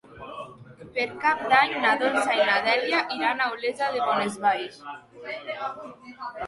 Per Cap d'Any na Dolça i na Dèlia iran a Olesa de Bonesvalls.